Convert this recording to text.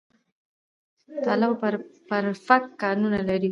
د تاله او برفک کانونه لري